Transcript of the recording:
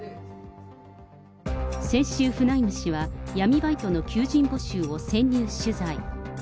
先週、フナイム氏は、闇バイトの求人募集を潜入取材。